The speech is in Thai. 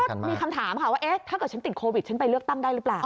ก็มีคำถามค่ะว่าเอ๊ะถ้าเกิดฉันติดโควิดฉันไปเลือกตั้งได้หรือเปล่า